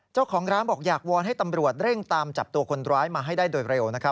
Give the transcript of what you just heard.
เจ้าของร้านบอกอยากวอนให้ตำรวจเร่งตามจับตัวคนร้ายมาให้ได้โดยเร็ว